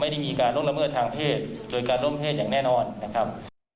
ไม่ได้มีการล่วงละเมิดทางเพศโดยการร่วมเพศอย่างแน่นอนนะครับ